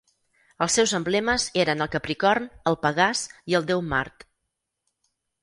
Els seus emblemes eren el capricorn, el pegàs i el déu Mart.